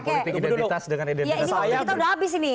politik identitas dengan identitas politik